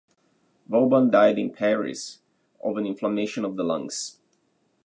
Vauban died in Paris, of an inflammation of the lungs.